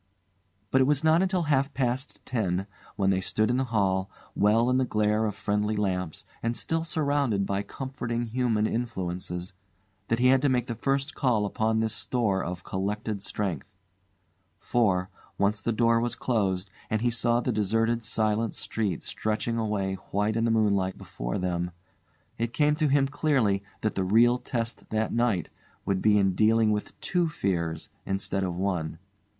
But it was not until half past ten, when they stood in the hall, well in the glare of friendly lamps and still surrounded by comforting human influences, that he had to make the first call upon this store of collected strength. For, once the door was closed, and he saw the deserted silent street stretching away white in the moonlight before them, it came to him clearly that the real test that night would be in dealing with two fears instead of one.